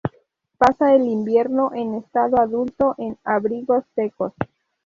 Pasa el invierno en estado adulto en abrigos secos.